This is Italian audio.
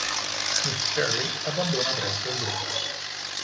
Miss Cherry abbandona presto il gruppo.